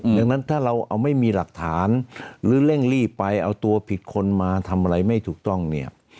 ดังนั้นถ้าเราเอาไม่มีหลักฐานหรือเร่งรีบไปเอาตัวผิดคนมาทำอะไรไม่ถูกต้องเนี่ย